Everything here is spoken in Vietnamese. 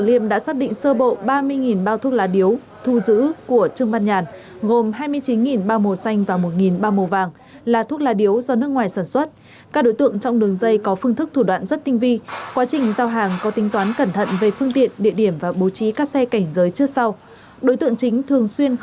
lấy xe trình bày số hàng hóa trên là của trương văn nhàn sinh năm một nghìn chín trăm chín mươi sáu trú tại tỉnh hương yên